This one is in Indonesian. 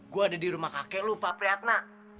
gue ada di rumah kakek lu pak priyatna